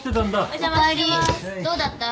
どうだった？